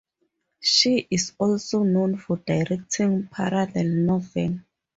She is also known for directing "Parallel Novel".